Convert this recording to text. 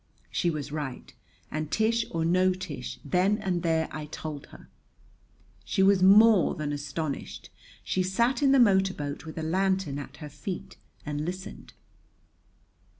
She was right; and, Tish or no Tish, then and there I told her. She was more than astonished. She sat in the motor boat, with a lantern at her feet, and listened.